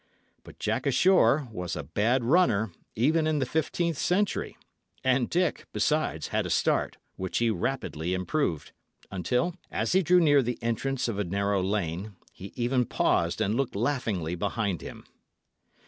But Jack ashore was a bad runner, even in the fifteenth century, and Dick, besides, had a start, which he rapidly improved, until, as he drew near the entrance of a narrow lane, he even paused and looked laughingly behind him.